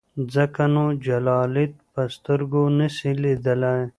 ځکه نو جلالیت په سترګو نسې لیدلای.